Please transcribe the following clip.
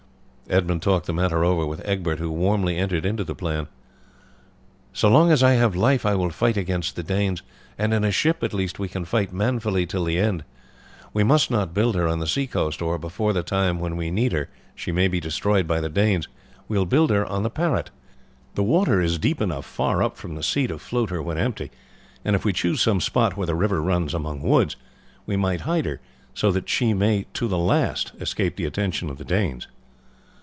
Edmund talked the matter over with Egbert, who warmly entered into the plan. "So long as I have life I will fight against the Danes, and in a ship at least we can fight manfully till the end. We must not build her on the sea coast, or before the time when we need her she may be destroyed by the Danes. We will build her on the Parrot. The water is deep enough far up from the sea to float her when empty, and if we choose some spot where the river runs among woods we might hide her so that she may to the last escape the attention of the Danes.